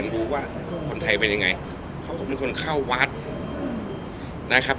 เพราะเขาเป็นคนเข้าวัดนะครับ